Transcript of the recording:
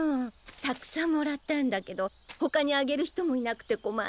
たくさんもらったんだけどほかにあげるひともいなくてこまってたの。